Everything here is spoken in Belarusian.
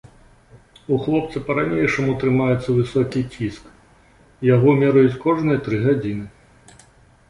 У хлопца па-ранейшаму трымаецца высокі ціск, яго мераюць кожныя тры гадзіны.